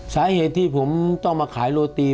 สาเหตุที่ผมต้องมาขายโรตี